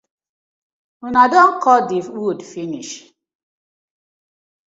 Una don kot the wood finish.